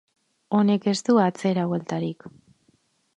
Honek ez du atzerabueltarik.